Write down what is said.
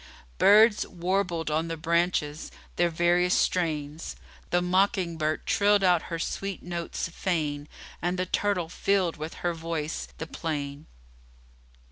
Birds warbled on the branches their various strains; the mocking bird trilled out her sweet notes fain and the turtle filled with her voice the plain.